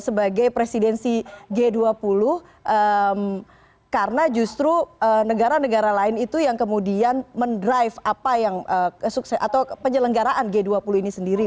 sebagai presidensi g dua puluh karena justru negara negara lain itu yang kemudian mendrive apa yang atau penyelenggaraan g dua puluh ini sendiri